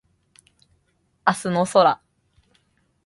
明日の空